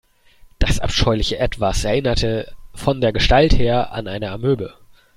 Das abscheuliche Etwas erinnerte von der Gestalt her an eine Amöbe.